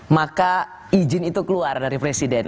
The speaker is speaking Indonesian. maka izin itu keluar dari presiden